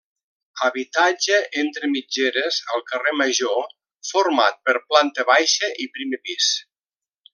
Habitatge entre mitgeres al carrer Major format per planta baixa i primer pis.